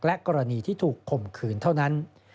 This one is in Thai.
กรณีที่ถูกข่มขืนเท่านั้น